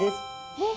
えっ。